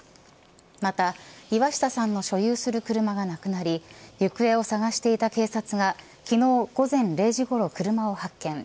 また、岩下さんの所有する車がなくなり行方を捜していた警察が昨日午前０時ごろ車を発見。